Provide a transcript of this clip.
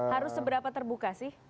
harus seberapa terbuka sih